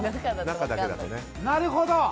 なるほど。